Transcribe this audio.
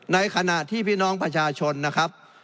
ในขณะที่พี่น้องประชาชนนะครับ